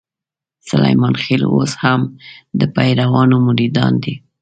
سلیمان خېل اوس هم د پیرانو مریدان دي.